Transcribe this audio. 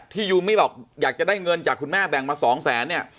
ยูมี่บอกอยากจะได้เงินจากคุณแม่แบ่งมาสองแสนเนี่ย